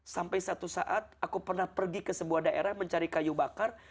sampai satu saat aku pernah pergi ke sebuah daerah mencari kayu bakar